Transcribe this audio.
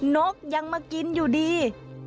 นกยังมากินอยู่ดี